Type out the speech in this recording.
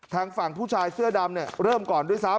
ทางฝั่งผู้ชายเสื้อดำเริ่มก่อนด้วยซ้ำ